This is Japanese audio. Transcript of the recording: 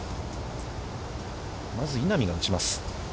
まず稲見が打ちます。